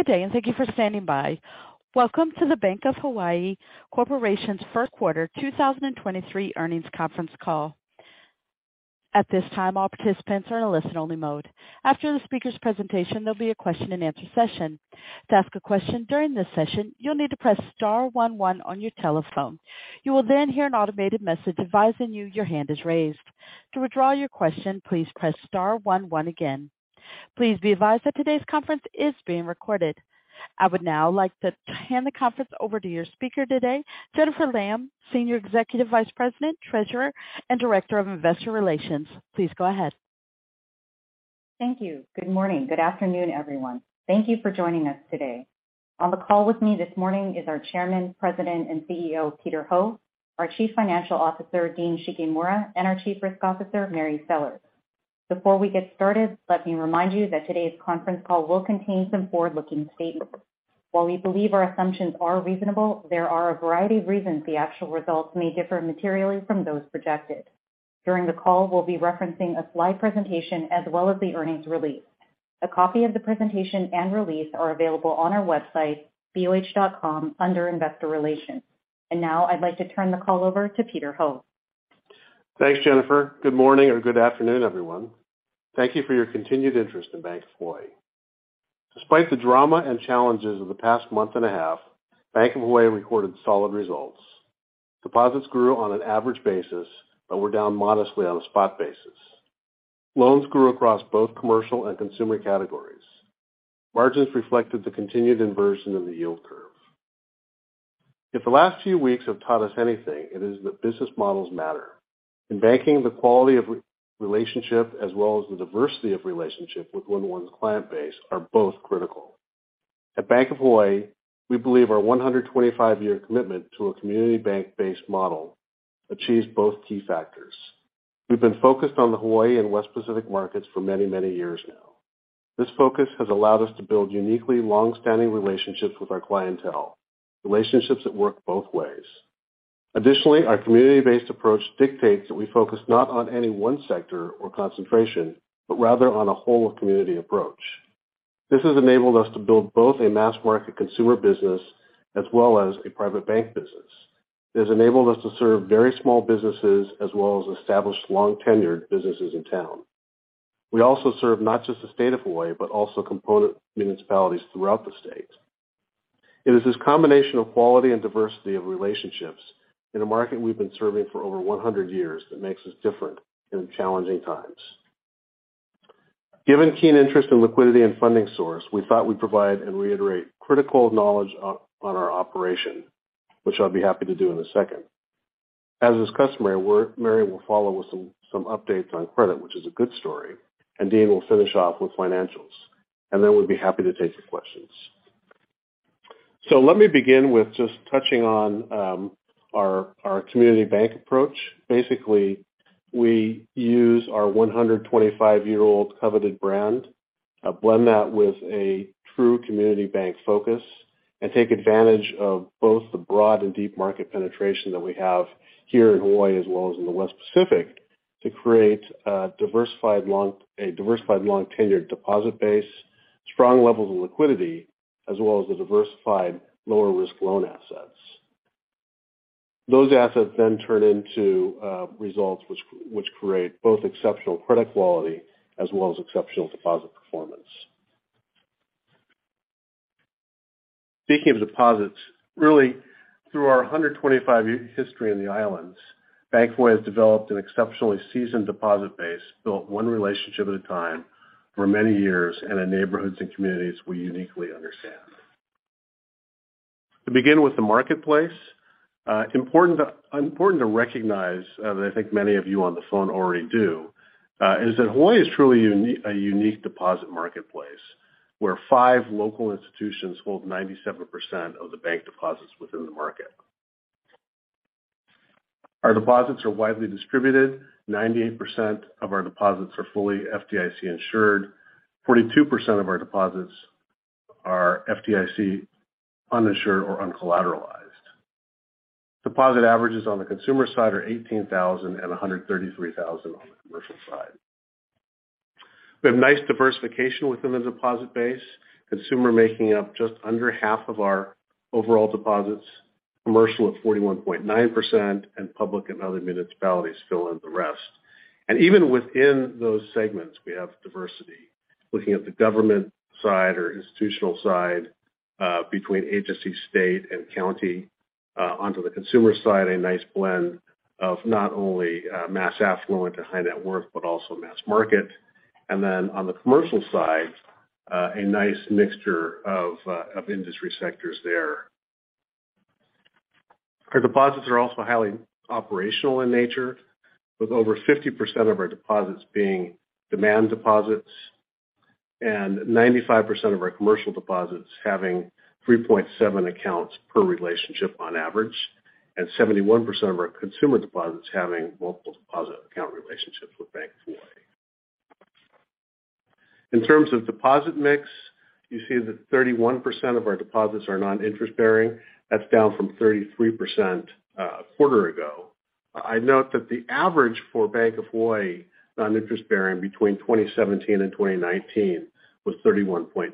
Good day, and thank you for standing by. Welcome to the Bank of Hawaii Corporation's first quarter 2023 earnings conference call. At this time, all participants are in a listen only mode. After the speaker's presentation, there'll be a question and answer session. To ask a question during this session, you'll need to press star one one on your telephone. You will then hear an automated message advising you your hand is raised. To withdraw your question, please press star one one again. Please be advised that today's conference is being recorded. I would now like to hand the conference over to your speaker today, Jennifer Lam, Senior Executive Vice President, Treasurer, and Director of Investor Relations. Please go ahead. Thank you. Good morning. Good afternoon, everyone. Thank you for joining us today. On the call with me this morning is our Chairman, President, and CEO, Peter Ho; our Chief Financial Officer, Dean Shigemura; and our Chief Risk Officer, Mary Sellers. Before we get started, let me remind you that today's conference call will contain some forward-looking statements. While we believe our assumptions are reasonable, there are a variety of reasons the actual results may differ materially from those projected. During the call, we'll be referencing a slide presentation as well as the earnings release. A copy of the presentation and release are available on our website, boh.com, under Investor Relations. Now I'd like to turn the call over to Peter Ho. Thanks, Jennifer. Good morning or good afternoon, everyone. Thank you for your continued interest in Bank of Hawaii. Despite the drama and challenges of the past month and a half, Bank of Hawaii recorded solid results. Deposits grew on an average basis but were down modestly on a spot basis. Loans grew across both commercial and consumer categories. Margins reflected the continued inversion of the yield curve. If the last few weeks have taught us anything, it is that business models matter. In banking, the quality of re-relationship as well as the diversity of relationship with one's client base are both critical. At Bank of Hawaii, we believe our 125-year commitment to a community bank-based model achieves both key factors. We've been focused on the Hawaii and West Pacific markets for many years now. This focus has allowed us to build uniquely long-standing relationships with our clientele, relationships that work both ways. Our community-based approach dictates that we focus not on any one sector or concentration, but rather on a whole of community approach. This has enabled us to build both a mass market consumer business as well as a private bank business. It has enabled us to serve very small businesses as well as established long tenured businesses in town. We also serve not just the state of Hawaii, but also component municipalities throughout the state. It is this combination of quality and diversity of relationships in a market we've been serving for over 100 years that makes us different in challenging times. Given keen interest in liquidity and funding source, we thought we'd provide and reiterate critical knowledge on our operation, which I'll be happy to do in a second. As is customary, Mary will follow with some updates on credit, which is a good story. Dean will finish off with financials. Then we'll be happy to take some questions. Let me begin with just touching on our community bank approach. Basically, we use our 125-year-old coveted brand, blend that with a true community bank focus and take advantage of both the broad and deep market penetration that we have here in Hawaii as well as in the West Pacific to create a diversified long tenured deposit base, strong levels of liquidity, as well as a diversified lower risk loan assets. Those assets then turn into results which create both exceptional credit quality as well as exceptional deposit performance. Speaking of deposits, really through our 125-year history in the islands, Bank of Hawaii has developed an exceptionally seasoned deposit base, built one relationship at a time for many years and in neighborhoods and communities we uniquely understand. To begin with the marketplace, important to recognize, that I think many of you on the phone already do, is that Hawaii is truly a unique deposit marketplace where five local institutions hold 97% of the bank deposits within the market. Our deposits are widely distributed. 98% of our deposits are fully FDIC insured. 42% of our deposits are FDIC uninsured or uncollateralized. Deposit averages on the consumer side are $18,000 and $133,000 on the commercial side. We have nice diversification within the deposit base, consumer making up just under half of our overall deposits, commercial at 41.9%, and public and other municipalities fill in the rest. Even within those segments, we have diversity. Looking at the government side or institutional side, between agency, state, and county. Onto the consumer side, a nice blend of not only mass affluent and high net worth, but also mass market. On the commercial side, a nice mixture of industry sectors there. Our deposits are also highly operational in nature, with over 50% of our deposits being demand deposits and 95% of our commercial deposits having 3.7 accounts per relationship on average and 71% of our consumer deposits having multiple deposit account relationships with Bank of Hawaii. In terms of deposit mix, you see that 31% of our deposits are non-interest-bearing. That's down from 33% a quarter ago. I note that the average for Bank of Hawaii non-interest-bearing between 2017 and 2019 was 31.2%.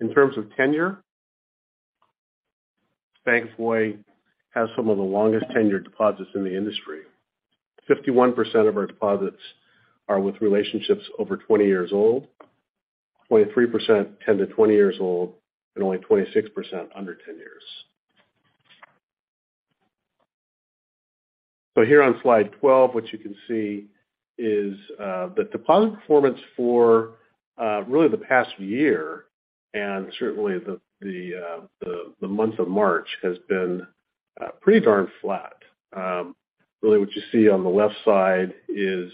In terms of tenure, Bank of Hawaii has some of the longest tenured deposits in the industry. 51% of our deposits are with relationships over 20 years old, 23% 10-20 years old, and only 26% under 10 years. Here on slide 12, what you can see is the deposit performance for really the past year, and certainly the month of March has been pretty darn flat. Really what you see on the left side is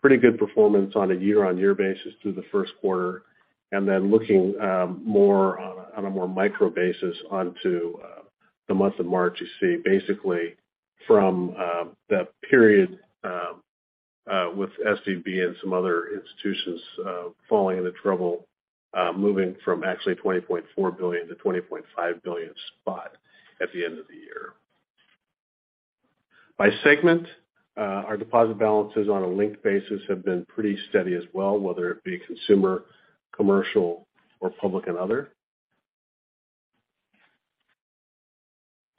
pretty good performance on a year-on-year basis through the first quarter. Looking more on a more micro basis onto the month of March, you see basically from that period with SVB and some other institutions falling into trouble, moving from actually $20.4 billion to $20.5 billion spot at the end of the year. By segment, our deposit balances on a linked basis have been pretty steady as well, whether it be consumer, commercial or public and other.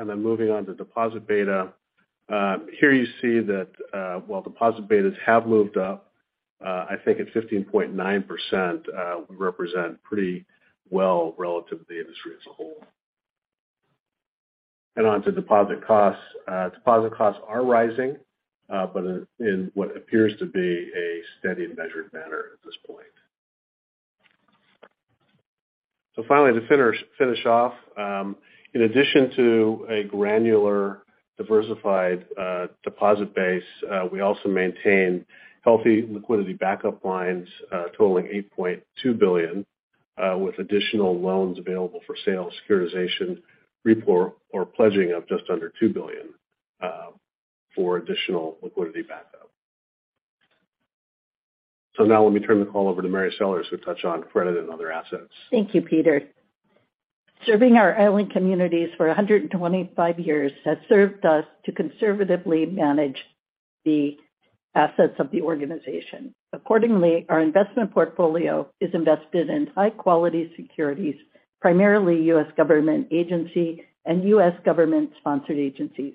Moving on to deposit beta, here you see that while deposit betas have moved up, I think at 15.9%, we represent pretty well relative to the industry as a whole. On to deposit costs. Deposit costs are rising, but in what appears to be a steady and measured manner at this point. Finally, to finish off, in addition to a granular diversified, deposit base, we also maintain healthy liquidity backup lines, totaling $8.2 billion, with additional loans available for sale, securitization, report or pledging of just under $2 billion, for additional liquidity backup. Now let me turn the call over to Mary Sellers, who touch on credit and other assets. Thank you, Peter. Serving our island communities for 125 years has served us to conservatively manage the assets of the organization. Accordingly, our investment portfolio is invested in high quality securities, primarily U.S. government agency and U.S. government-sponsored agencies.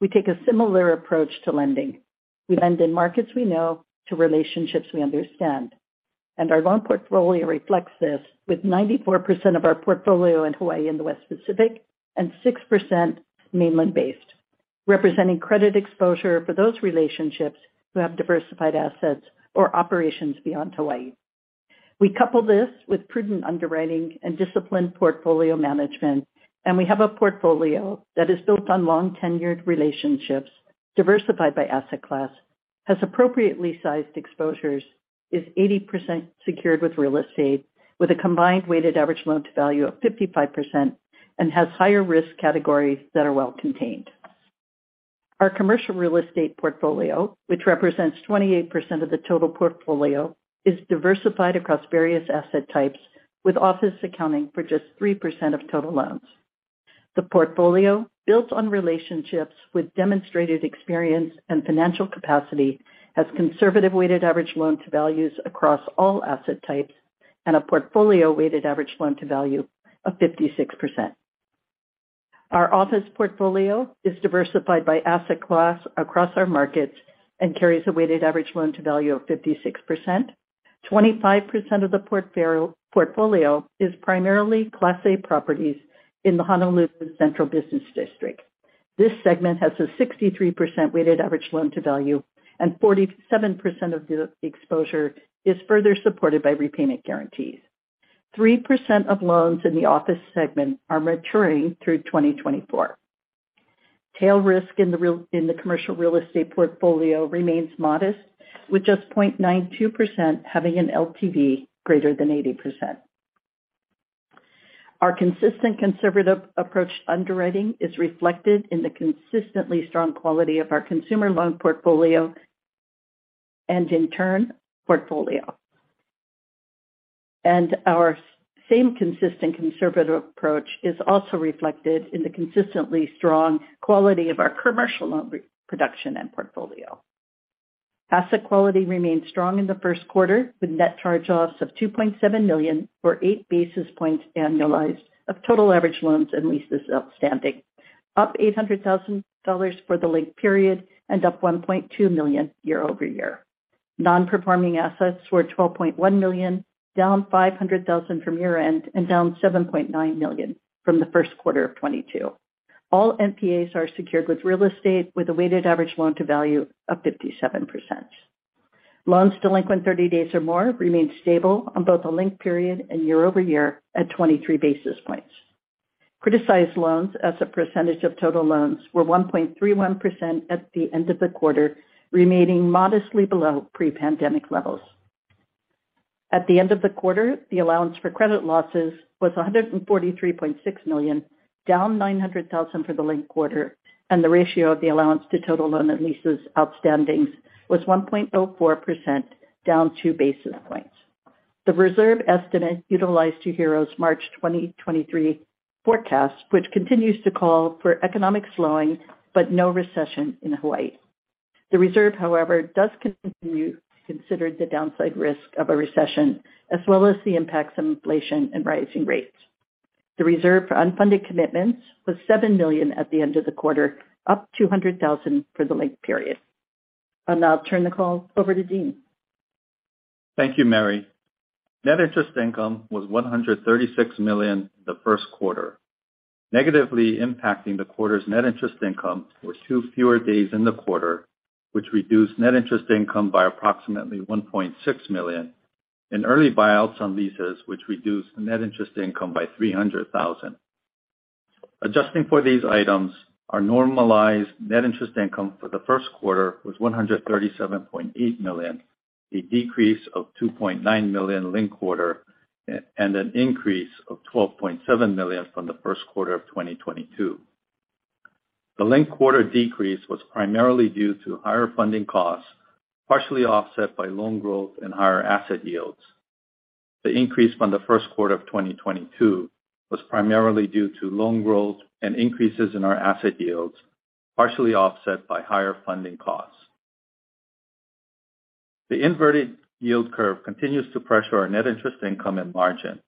We take a similar approach to lending. We lend in markets we know to relationships we understand. Our loan portfolio reflects this, with 94% of our portfolio in Hawaii and the West Pacific and 6% mainland based, representing credit exposure for those relationships who have diversified assets or operations beyond Hawaii. We couple this with prudent underwriting and disciplined portfolio management. We have a portfolio that is built on long tenured relationships, diversified by asset class, has appropriately sized exposures, is 80% secured with real estate with a combined weighted average Loan-to-Value of 55%, and has higher risk categories that are well contained. Our commercial real estate portfolio, which represents 28% of the total portfolio, is diversified across various asset types, with office accounting for just 3% of total loans. The portfolio built on relationships with demonstrated experience and financial capacity has conservative weighted average Loan-to-Values across all asset types and a portfolio weighted average LTV of 56%. Our office portfolio is diversified by asset class across our markets and carries a weighted average Loan-to-Value of 56%. 25% of the portfolio is primarily Class A properties in the Honolulu Central Business District. This segment has a 63% weighted average loan to value and 47% of the exposure is further supported by repayment guarantees. 3% of loans in the office segment are maturing through 2024. Tail risk in the commercial real estate portfolio remains modest, with just 0.92% having an LTV greater than 80%. Our consistent conservative approach underwriting is reflected in the consistently strong quality of our consumer loan portfolio and in turn portfolio. Our same consistent conservative approach is also reflected in the consistently strong quality of our commercial loan production and portfolio. Asset quality remained strong in the first quarter, with net charge-offs of $2.7 million or 8 basis points annualized of total average loans and leases outstanding, up $800,000 for the linked period and up $1.2 million year-over-year. Non-Performing Assets were $12.1 million, down $500,000 from year-end and down $7.9 million from the first quarter of 2022. All NPAs are secured with real estate with a weighted average loan to value of 57%. Loans delinquent 30 days or more remained stable on both the linked period and year-over-year at 23 basis points. Criticized loans as a percentage of total loans were 1.31% at the end of the quarter, remaining modestly below pre-pandemic levels. At the end of the quarter, the allowance for credit losses was $143.6 million, down $900,000 for the linked quarter, and the ratio of the allowance to total loan and leases outstandings was 1.4%, down 2 basis points. The reserve estimate utilized to UHERO's March 2023 forecast, which continues to call for economic slowing but no recession in Hawaii. The reserve, however, does continue to consider the downside risk of a recession, as well as the impacts of inflation and rising rates. The reserve for unfunded commitments was $7 million at the end of the quarter, up $200,000 for the linked period. I'll now turn the call over to Dean. Thank you, Mary. Net interest income was $136 million in the first quarter. Negatively impacting the quarter's net interest income were two fewer days in the quarter, which reduced net interest income by approximately $1.6 million and early buyouts on leases, which reduced net interest income by $300,000. Adjusting for these items, our normalized net interest income for the first quarter was $137.8 million, a decrease of $2.9 million linked quarter and an increase of $12.7 million from the first quarter of 2022. The linked quarter decrease was primarily due to higher funding costs, partially offset by loan growth and higher asset yields. The increase from the first quarter of 2022 was primarily due to loan growth and increases in our asset yields, partially offset by higher funding costs. The inverted yield curve continues to pressure our net interest income and margin.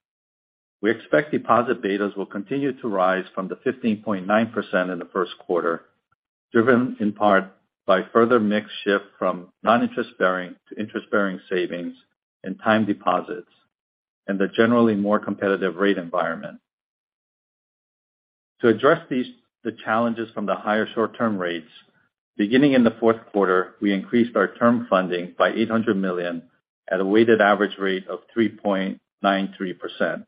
We expect deposit betas will continue to rise from the 15.9% in the first quarter, driven in part by further mix shift from non-interest-bearing to interest-bearing savings and time deposits and the generally more competitive rate environment. To address these, the challenges from the higher short-term rates, beginning in the fourth quarter, we increased our term funding by $800 million at a weighted average rate of 3.93%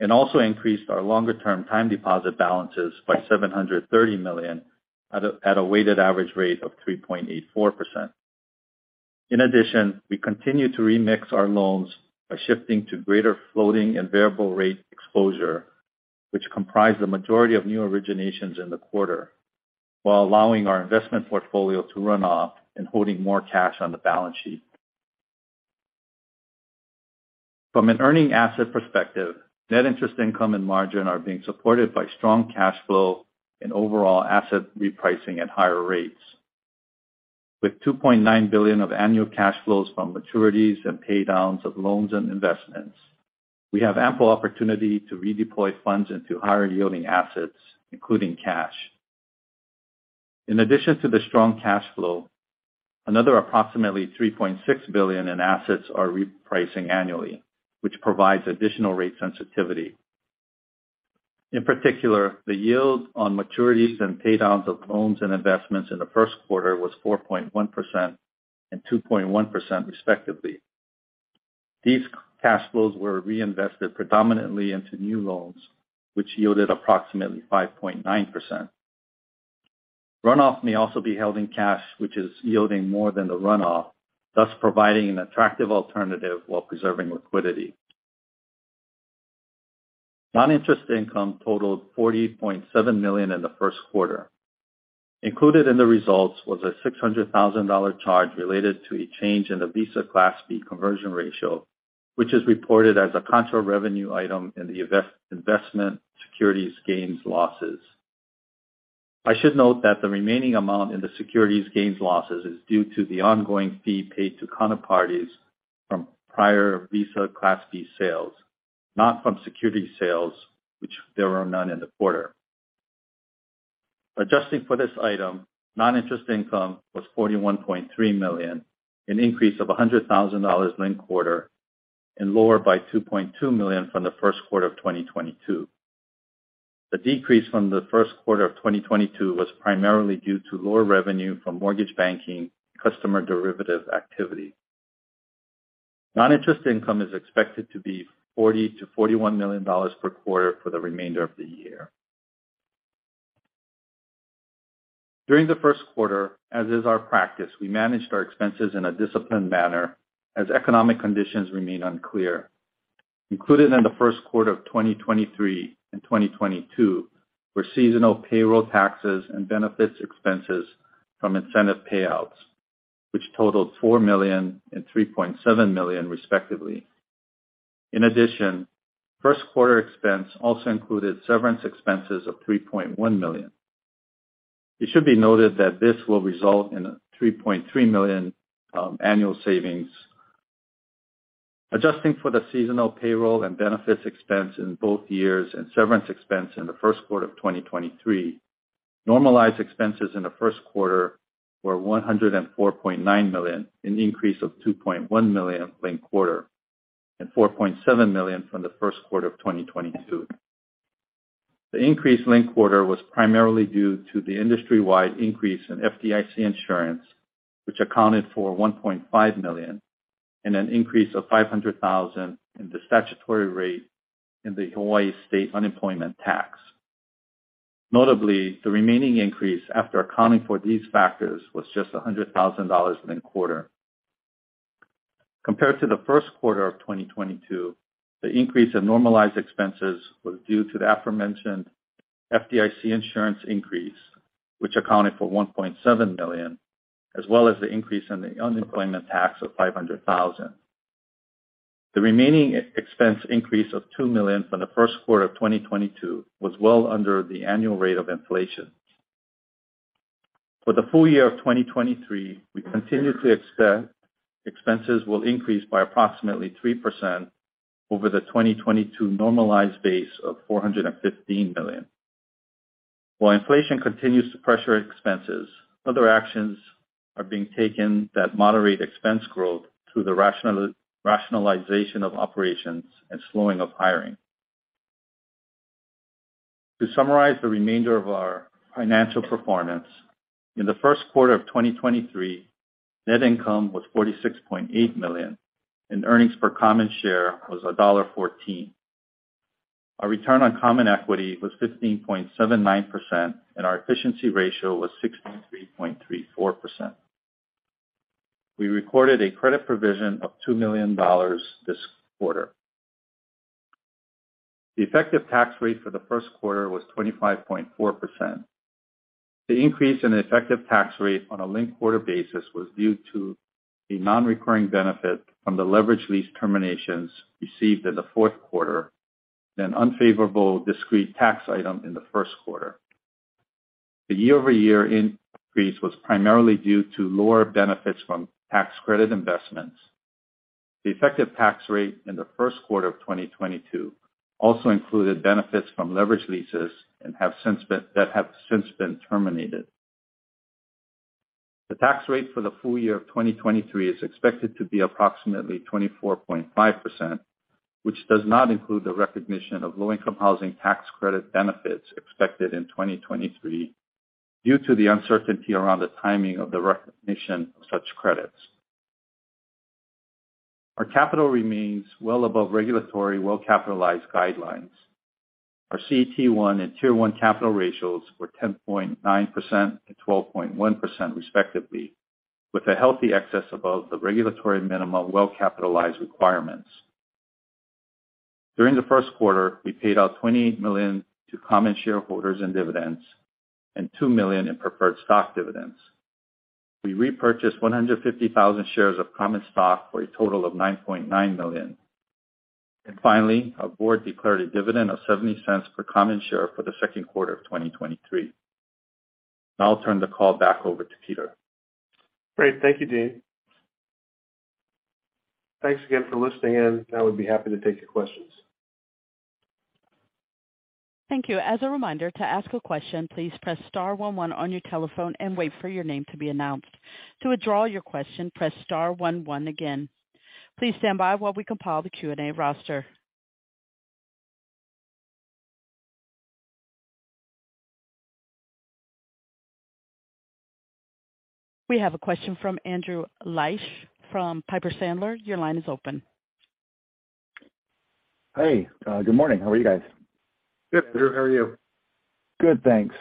and also increased our longer-term time deposit balances by $730 million at a weighted average rate of 3.84%. In addition, we continue to remix our loans by shifting to greater floating and variable rate exposure, which comprise the majority of new originations in the quarter, while allowing our investment portfolio to run off and holding more cash on the balance sheet. From an earning asset perspective, net interest income and margin are being supported by strong cash flow and overall asset repricing at higher rates. With $2.9 billion of annual cash flows from maturities and pay downs of loans and investments, we have ample opportunity to redeploy funds into higher yielding assets, including cash. In addition to the strong cash flow, another approximately $3.6 billion in assets are repricing annually, which provides additional rate sensitivity. In particular, the yield on maturities and pay downs of loans and investments in the first quarter was 4.1% and 2.1% respectively. These cash flows were reinvested predominantly into new loans, which yielded approximately 5.9%. Runoff may also be held in cash, which is yielding more than the runoff, thus providing an attractive alternative while preserving liquidity. Non-interest income totaled $40.7 million in the first quarter. Included in the results was a $600,000 charge related to a change in the Visa Class B conversion ratio, which is reported as a contra revenue item in the investment securities gains losses. I should note that the remaining amount in the securities gains losses is due to the ongoing fee paid to counterparties from prior Visa Class B sales, not from security sales, which there were none in the quarter. Adjusting for this item, non-interest income was $41.3 million, an increase of $100,000 linked quarter and lower by $2.2 million from the first quarter of 2022. The decrease from the first quarter of 2022 was primarily due to lower revenue from mortgage banking customer derivative activity. Non-interest income is expected to be $40 million-$41 million per quarter for the remainder of the year. During the first quarter, as is our practice, we managed our expenses in a disciplined manner as economic conditions remain unclear. Included in the first quarter of 2023 and 2022 were seasonal payroll taxes and benefits expenses from incentive payouts, which totaled $4 million and $3.7 million respectively. In addition, first quarter expense also included severance expenses of $3.1 million. It should be noted that this will result in a $3.3 million annual savings. Adjusting for the seasonal payroll and benefits expense in both years and severance expense in the first quarter of 2023, normalized expenses in the first quarter were $104.9 million, an increase of $2.1 million linked quarter and $4.7 million from the first quarter of 2022. The increase linked quarter was primarily due to the industry-wide increase in FDIC insurance, which accounted for $1.5 million and an increase of $500,000 in the statutory rate in the Hawaii State Unemployment Insurance. Notably, the remaining increase after accounting for these factors was just $100,000 linked quarter. Compared to the first quarter of 2022, the increase in normalized expenses was due to the aforementioned FDIC insurance increase, which accounted for $1.7 million, as well as the increase in the Unemployment Tax of $500,000. The remaining e-expense increase of $2 million from the first quarter of 2022 was well under the annual rate of inflation. For the full year of 2023, we continue to expect expenses will increase by approximately 3% over the 2022 normalized base of $415 million. While inflation continues to pressure expenses, other actions are being taken that moderate expense growth through the rationalization of operations and slowing of hiring. To summarize the remainder of our financial performance, in the first quarter of 2023, net income was $46.8 million and earnings per common share was $1.14. Our return on common equity was 15.79%, and our efficiency ratio was 63.34%. We recorded a credit provision of $2 million this quarter. The effective tax rate for the first quarter was 25.4%. The increase in effective tax rate on a linked quarter basis was due to the non-recurring benefit from the leveraged lease terminations received in the fourth quarter and unfavorable discrete tax item in the first quarter. The year-over-year increase was primarily due to lower benefits from tax credit investments. The effective tax rate in the first quarter of 2022 also included benefits from leveraged leases that have since been terminated. The tax rate for the full year of 2023 is expected to be approximately 24.5%, which does not include the recognition of Low-Income Housing Tax Credit benefits expected in 2023 due to the uncertainty around the timing of the recognition of such credits. Our capital remains well above regulatory well-capitalized guidelines. Our CET1 and Tier 1 capital ratios were 10.9% and 12.1% respectively, with a healthy excess above the regulatory minimum well-capitalized requirements. During the first quarter, we paid out $28 million to common shareholders in dividends and $2 million in preferred stock dividends. We repurchased 150,000 shares of common stock for a total of $9.9 million. Finally, our board declared a dividend of $0.70 per common share for the second quarter of 2023. Now I'll turn the call back over to Peter. Great. Thank you, Dean. Thanks again for listening in, and I would be happy to take your questions. Thank you. As a reminder to ask a question, please press star one one on your telephone and wait for your name to be announced. To withdraw your question, press star one one again. Please stand by while we compile the Q&A roster. We have a question from Andrew Liesch from Piper Sandler. Your line is open. Hey. Good morning. How are you guys? Good, Andrew. How are you? Good, thanks.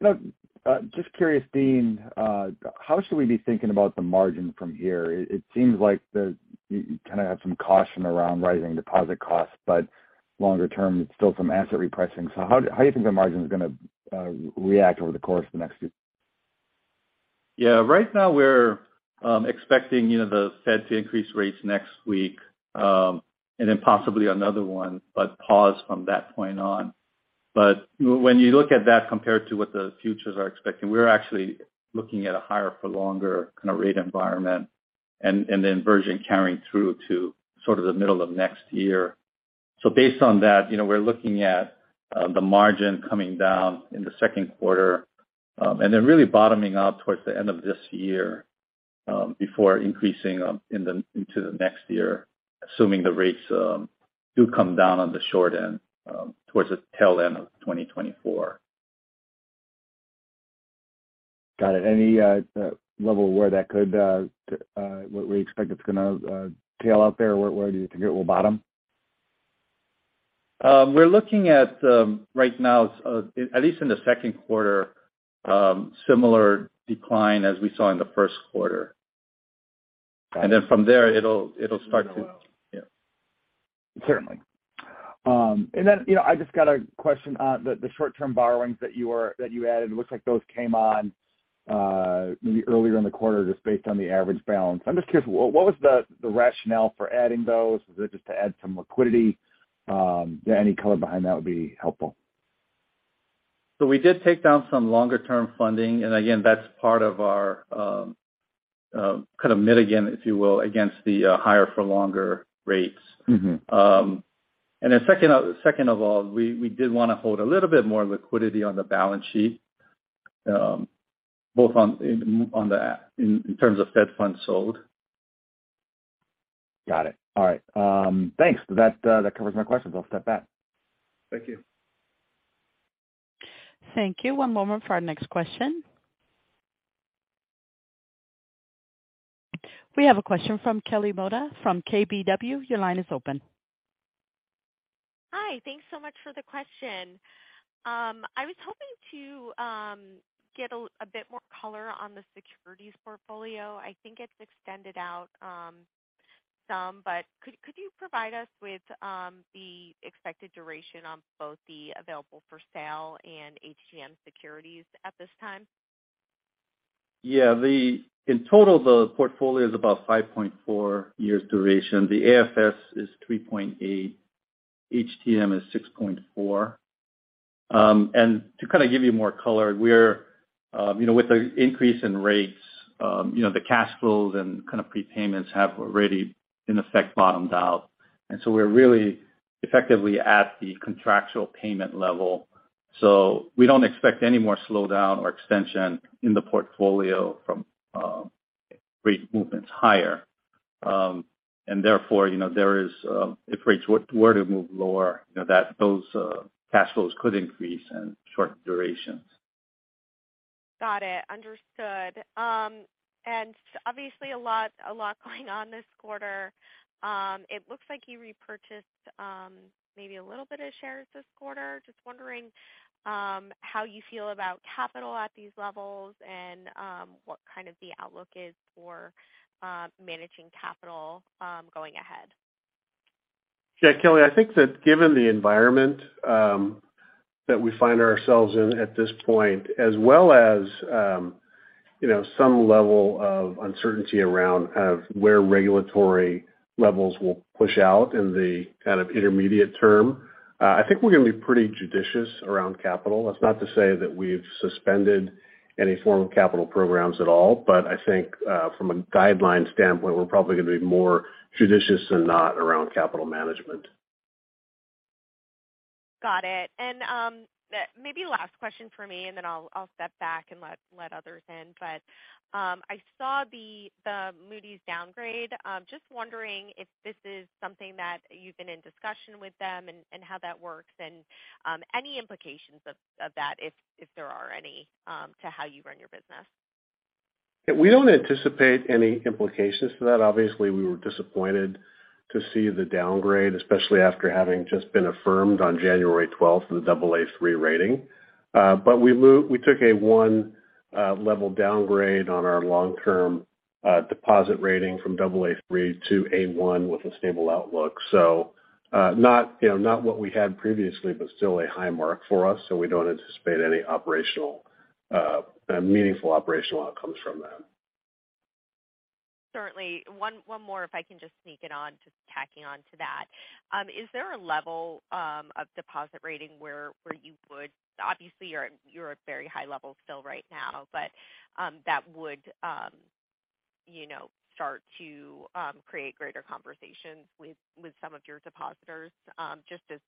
Look, just curious, Dean, how should we be thinking about the margin from here? It seems like you kind of have some caution around rising deposit costs, but longer term it's still some asset repricing. How do you think the margin is gonna react over the course of the next few? Right now we're expecting, you know, the Fed to increase rates next week, and then possibly another one, but pause from that point on. When you look at that compared to what the futures are expecting, we're actually looking at a higher for longer kinda rate environment and then version carrying through to sort of the middle of next year. Based on that, you know, we're looking at the margin coming down in the second quarter, and then really bottoming out towards the end of this year, before increasing into the next year, assuming the rates do come down on the short end towards the tail end of 2024. Got it. Any level where that could what we expect it's gonna tail out there? Where do you think it will bottom? We're looking at right now, at least in the second quarter, similar decline as we saw in the first quarter. Got it. From there it'll. Yeah. Certainly. You know, I just got a question on the short-term borrowings that you added. It looks like those came on maybe earlier in the quarter just based on the average balance. I'm just curious, what was the rationale for adding those? Was it just to add some liquidity? Yeah, any color behind that would be helpful. We did take down some longer term funding, and again, that's part of our, kind of mitigate, if you will, against the higher for longer rates. Mm-hmm. Second of all, we did wanna hold a little bit more liquidity on the balance sheet, both in terms of Federal funds sold. Got it. All right. Thanks. That covers my questions. I'll step back. Thank you. Thank you. One moment for our next question. We have a question from Kelly Motta from KBW. Your line is open. Hi. Thanks so much for the question. I was hoping to get a bit more color on the securities portfolio. I think it's extended out. Could you provide us with the expected duration on both the available for sale and HTM securities at this time? Yeah. In total, the portfolio is about 5.4 years duration. The AFS is 3.8. HTM is 6.4. To kind of give you more color, we're, you know, with the increase in rates, you know, the cash flows and kind of prepayments have already in effect bottomed out. We're really effectively at the contractual payment level. We don't expect any more slowdown or extension in the portfolio from rate movements higher. Therefore, you know, there is, if rates were to move lower, you know, that those cash flows could increase in short durations. Got it. Understood. Obviously a lot, a lot going on this quarter. It looks like you repurchased, maybe a little bit of shares this quarter. Just wondering, how you feel about capital at these levels and, what kind of the outlook is for, managing capital, going ahead. Yeah. Kelly, I think that given the environment, that we find ourselves in at this point, as well as, you know, some level of uncertainty around kind of where regulatory levels will push out in the kind of intermediate term, I think we're gonna be pretty judicious around capital. That's not to say that we've suspended any form of capital programs at all, but I think, from a guideline standpoint, we're probably gonna be more judicious than not around capital management. Got it. Maybe last question for me, and then I'll step back and let others in. I saw the Moody's downgrade. Just wondering if this is something that you've been in discussion with them and how that works and, any implications of that, if there are any, to how you run your business? We don't anticipate any implications to that. Obviously, we were disappointed to see the downgrade, especially after having just been affirmed on January 12th for the Aa3 rating. We took a one level downgrade on our long-term deposit rating from Aa3 to A1 with a stable outlook. Not, you know, not what we had previously, but still a high mark for us, so we don't anticipate any operational, meaningful operational outcomes from that. Certainly. One more if I can just sneak it on, just tacking on to that. Is there a level of deposit rating where you would obviously, you're at very high level still right now, but that would, you know, start to create greater conversations with some of your depositors? Just as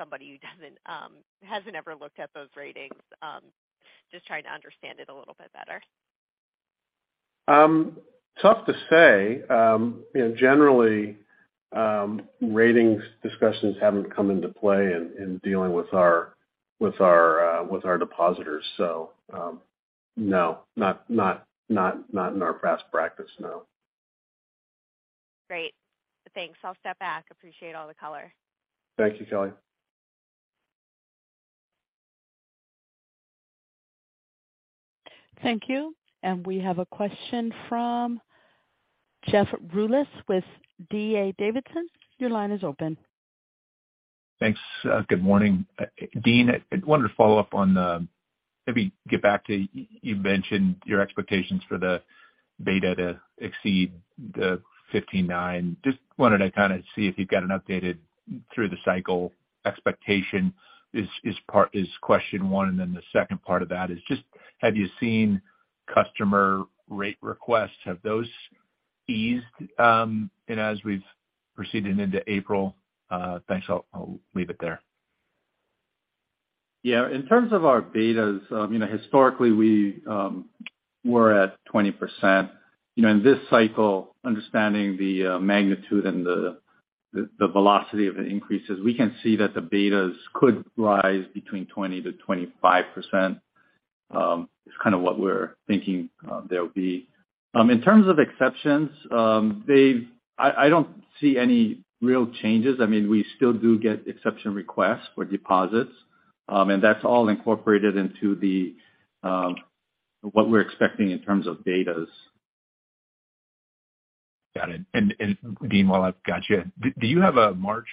somebody who doesn't hasn't ever looked at those ratings. Just trying to understand it a little bit better. Tough to say. You know, generally, ratings discussions haven't come into play in dealing with our depositors. No. Not in our best practice, no. Great. Thanks. I'll step back. Appreciate all the color. Thank you, Kelly. Thank you. We have a question from Jeff Rulis with D.A. Davidson. Your line is open. Thanks. Good morning. Dean, I wanted to follow up on maybe get back to you mentioned your expectations for the beta to exceed the 59. Just wanted to kind of see if you've got an updated through the cycle expectation is question one. The second part of that is just have you seen customer rate requests? Have those eased, you know, as we've proceeded into April? Thanks. I'll leave it there. Yeah. In terms of our betas, you know, historically we, were at 20%. You know, in this cycle, understanding the magnitude and the velocity of the increases, we can see that the betas could rise between 20%-25%. It's kind of what we're thinking, they'll be. In terms of exceptions, I don't see any real changes. I mean, we still do get exception requests for deposits, and that's all incorporated into the what we're expecting in terms of betas. Got it. Dean, while I've got you, do you have a March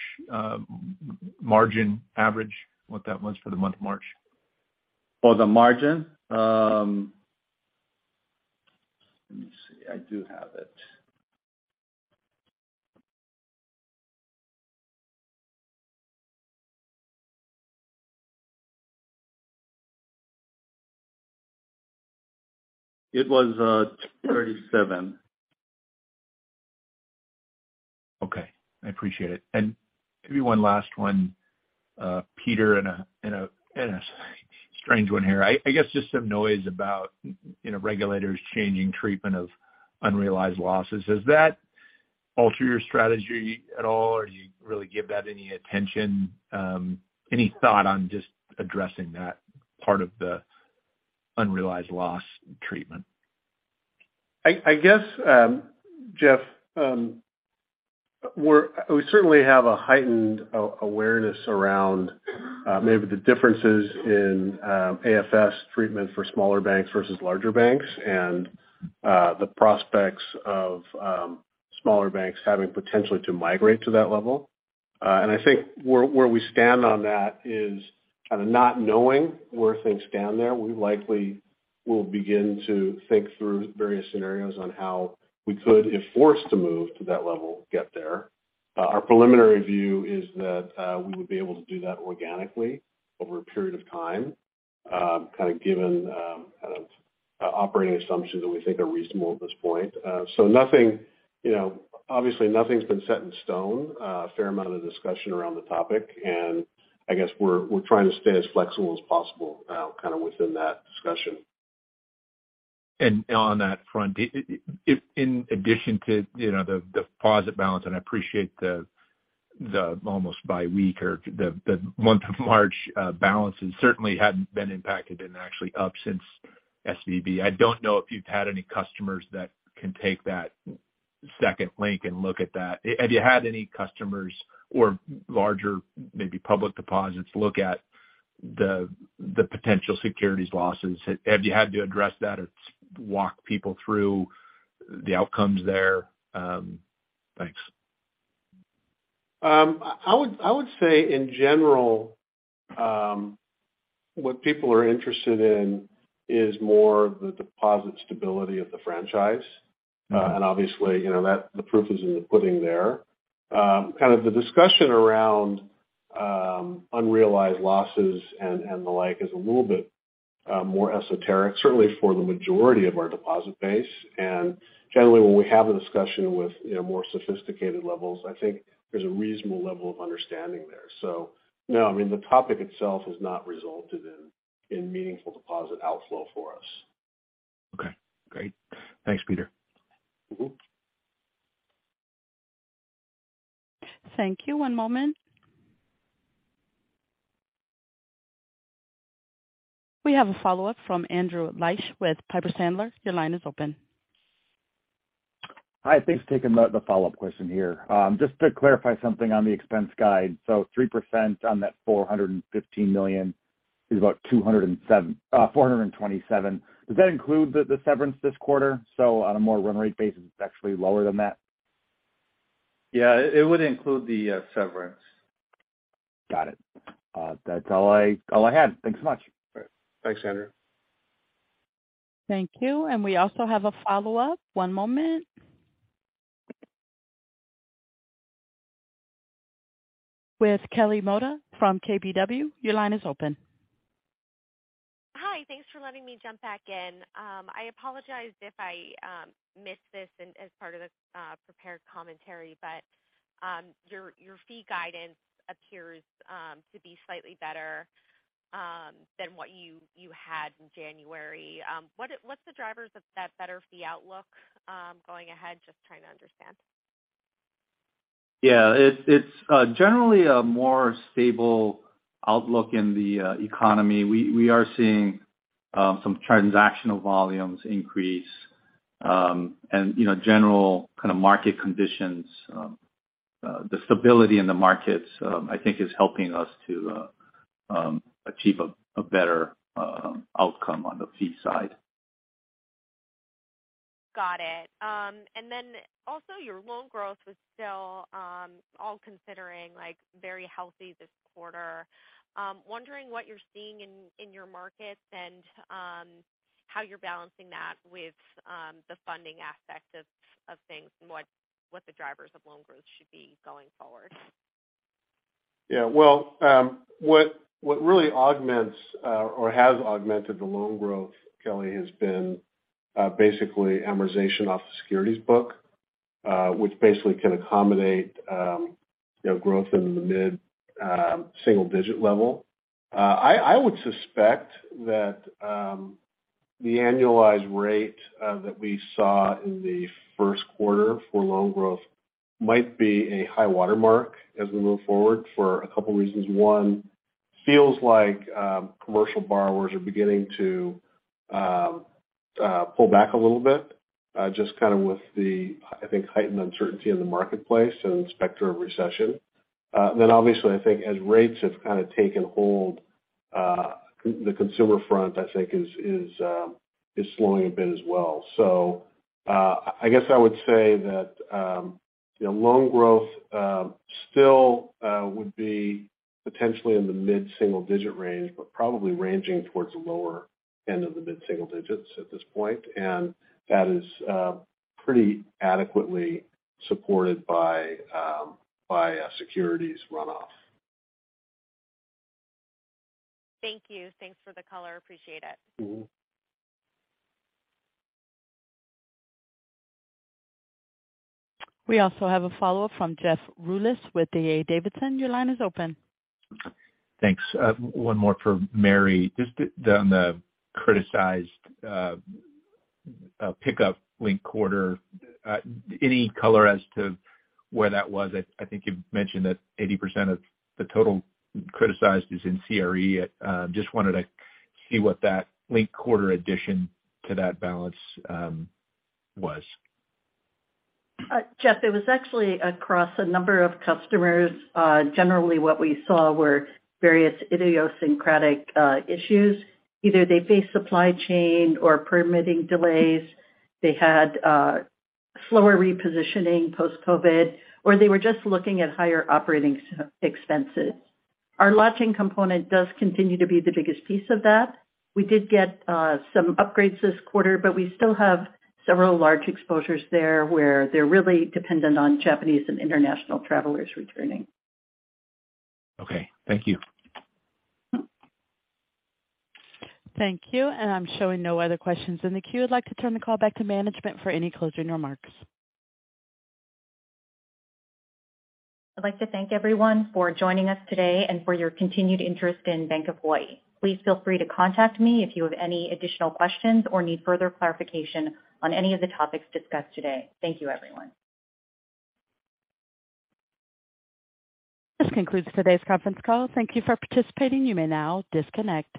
margin average, what that was for the month March? For the margin? Let me see. I do have it. It was 37. Okay. I appreciate it. Maybe one last one, Peter, and a strange one here. I guess just some noise about, you know, regulators changing treatment of unrealized losses. Does that alter your strategy at all, or do you really give that any attention? Any thought on just addressing that part of the unrealized loss treatment? I guess, Jeff, We certainly have a heightened awareness around maybe the differences in AFS treatment for smaller banks versus larger banks and the prospects of smaller banks having potentially to migrate to that level. I think where we stand on that is kind of not knowing where things stand there. We likely will begin to think through various scenarios on how we could, if forced to move to that level, get there. Our preliminary view is that we would be able to do that organically over a period of time, kind of given operating assumptions that we think are reasonable at this point. Nothing, you know, obviously nothing's been set in stone. A fair amount of discussion around the topic, I guess we're trying to stay as flexible as possible, kind of within that discussion. On that front, in addition to, you know, the deposit balance, and I appreciate the almost by week or the month of March balance and certainly hadn't been impacted and actually up since SVB. I don't know if you've had any customers that can take that second link and look at that. Have you had any customers or larger, maybe public deposits look at the potential securities losses? Have you had to address that or walk people through the outcomes there? Thanks. I would say in general, what people are interested in is more the deposit stability of the franchise. Obviously, you know, that the proof is in the pudding there. Kind of the discussion around unrealized losses and the like is a little bit more esoteric, certainly for the majority of our deposit base. Generally, when we have a discussion with, you know, more sophisticated levels, I think there's a reasonable level of understanding there. No, I mean, the topic itself has not resulted in meaningful deposit outflow for us. Okay, great. Thanks, Peter. Mm-hmm. Thank you. One moment. We have a follow-up from Andrew Liesch with Piper Sandler. Your line is open. Hi, thanks for taking the follow-up question here. Just to clarify something on the expense guide. 3% on that $415 million is about $427. Does that include the severance this quarter? On a more run rate basis, it's actually lower than that. Yeah, it would include the severance. Got it. That's all I had. Thanks so much. Thanks, Andrew. Thank you. We also have a follow-up. One moment. With Kelly Motta from KBW, your line is open. Hi. Thanks for letting me jump back in. I apologize if I missed this and as part of the prepared commentary, but your fee guidance appears to be slightly better than what you had in January. What's the drivers of that better fee outlook, going ahead? Just trying to understand. It's generally a more stable outlook in the economy. We are seeing some transactional volumes increase, and, you know, general kind of market conditions. The stability in the markets, I think is helping us to achieve a better outcome on the fee side. Got it. Also your loan growth was still, all considering, like very healthy this quarter. Wondering what you're seeing in your markets and, how you're balancing that with, the funding aspect of things and what the drivers of loan growth should be going forward? Well, what really augments or has augmented the loan growth, Kelly, has been basically amortization off the securities book, which basically can accommodate, you know, growth into the mid-single-digit level. I would suspect that the annualized rate that we saw in the first quarter for loan growth might be a high watermark as we move forward for a couple reasons. One, feels like commercial borrowers are beginning to pull back a little bit, just kind of with the, I think, heightened uncertainty in the marketplace and the specter of recession. Then obviously, I think as rates have kind of taken hold, the consumer front, I think is slowing a bit as well. I guess I would say that, you know, loan growth, still, would be potentially in the mid-single digit range, but probably ranging towards the lower end of the mid-single digits at this point. That is, pretty adequately supported by a securities runoff. Thank you. Thanks for the color. Appreciate it. Mm-hmm. We also have a follow-up from Jeff Rulis with D.A. Davidson. Your line is open. Thanks. One more for Mary. Just the criticized pickup linked quarter. Any color as to where that was? I think you've mentioned that 80% of the total criticized is in CRE. Just wanted to see what that linked quarter addition to that balance was. Jeff, it was actually across a number of customers. Generally what we saw were various idiosyncratic issues. Either they faced supply chain or permitting delays, they had slower repositioning post-COVID, or they were just looking at higher operating expenses. Our lodging component does continue to be the biggest piece of that. We did get some upgrades this quarter, but we still have several large exposures there where they're really dependent on Japanese and international travelers returning. Okay. Thank you. Thank you. I'm showing no other questions in the queue. I'd like to turn the call back to management for any closing remarks. I'd like to thank everyone for joining us today and for your continued interest in Bank of Hawaii. Please feel free to contact me if you have any additional questions or need further clarification on any of the topics discussed today. Thank you, everyone. This concludes today's conference call. Thank you for participating. You may now disconnect.